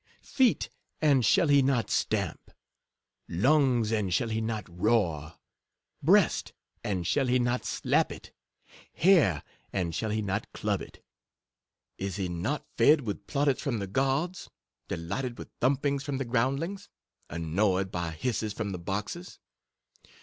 — feet, and shall he not stamp?— lungs, and shall he not roar? r breast, and shall he not slap it? — hair, and shall he not club it? Is he not fed with plaudits from the gods? delighted with th limp ings from the groundlings ? annoyed by hisses from the boxes